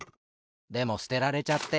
でもすてられちゃって。